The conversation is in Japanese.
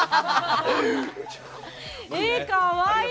かわいい！